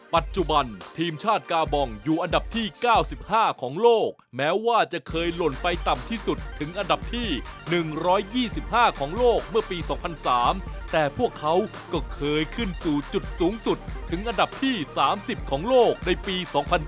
ปัจจุบันทีมชาติกาบองอยู่อันดับที่๙๕ของโลกแม้ว่าจะเคยหล่นไปต่ำที่สุดถึงอันดับที่๑๒๕ของโลกเมื่อปี๒๐๐๓แต่พวกเขาก็เคยขึ้นสู่จุดสูงสุดถึงอันดับที่๓๐ของโลกในปี๒๐๑๙